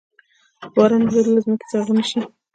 په باران ورېدلو زمکې زرغوني شي۔